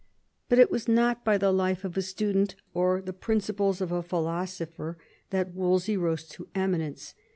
But it was not by the life of a student or the principles of a philosopher that Wolsey rose to eminence.